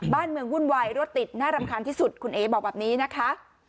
บ้านเมืองวุ่นวายรถติดน่ารำคาญที่สุดคุณเอ๋บอกแบบนี้นะคะ